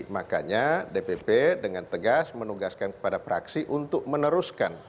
makanya dpp dengan tegas menugaskan kepada praksi untuk meneruskan